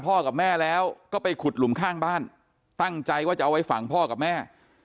กับแม่แล้วก็ไปขุดหลุมข้างบ้านตั้งใจว่าจะเอาไว้ฝั่งพ่อกับแม่